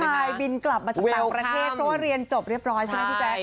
ลูกชายบินกลับจากต่างประเทศเรียนจบเรียบร้อยใช่ไหมพี่แจ๊ก